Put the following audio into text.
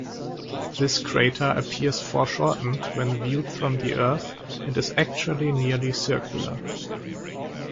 This crater appears foreshortened when viewed from the Earth, and is actually nearly circular.